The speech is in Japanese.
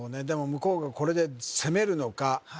でも向こうがこれで攻めるのか